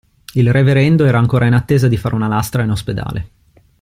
Il Reverendo era ancora in attesa di fare una lastra in ospedale.